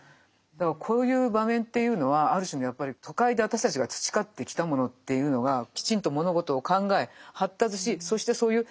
だからこういう場面っていうのはある種のやっぱり都会で私たちが培ってきたものっていうのがきちんと物事を考え発達しそしてそういう